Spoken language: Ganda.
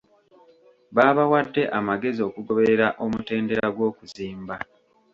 Baabawadde amagezi okugoberera omutendera gw'okuzimba.